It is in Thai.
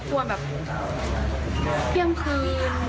เพราะว่าเดี๋ยวอาจจะเป็นอันตรายกับคนอื่น